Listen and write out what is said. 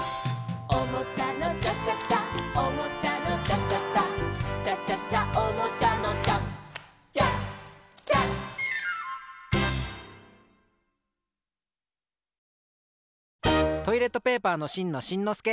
「おもちゃのチャチャチャおもちゃのチャチャチャ」「チャチャチャおもちゃのチャチャチャ」トイレットペーパーのしんのしんのすけ。